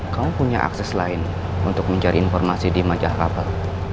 kamu punya akses lain untuk mencari informasi di majah kapal